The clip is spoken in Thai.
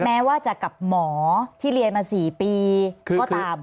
แม้ว่าจะกับหมอที่เรียนมา๔ปีก็ตาม